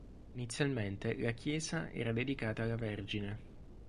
Inizialmente la chiesa era dedicata alla Vergine.